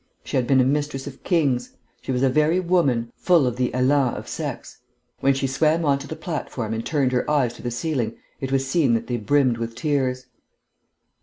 She had been a mistress of kings; she was a very woman, full of the élan of sex. When she swam on to the platform and turned her eyes to the ceiling, it was seen that they brimmed with tears.